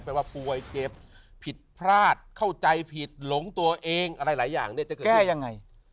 เป็นว่าป่วยเจ็บผิดพลาดเข้าใจผิดหลงตัวเองอะไรหลายอย่าง